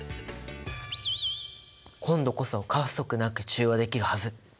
今度こそ過不足なく中和できるはず！